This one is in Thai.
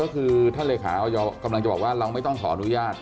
ก็คือท่านเลขาออยกำลังจะบอกว่าเราไม่ต้องขออนุญาต